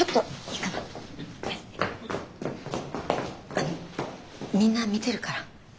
あのみんな見てるから。